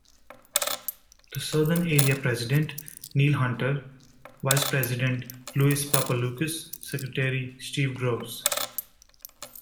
The Southern Area President: Neil Hunter, Vice President: Louis Papaloukas, Secretary: Steve Groves.